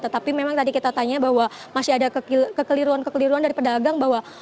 tetapi memang tadi kita tanya bahwa masih ada kekeliruan kekeliruan dari pedagang bahwa